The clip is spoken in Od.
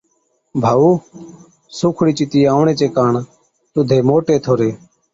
ڀائُو، سُوکڙِي چتِي آوَڻي چي ڪاڻ تُڌي موٽي ٿوري۔